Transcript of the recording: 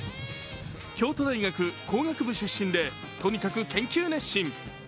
京都大学工学部出身でとにかく研究熱心。